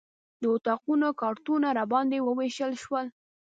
د اتاقونو کارتونه راباندې ووېشل شول.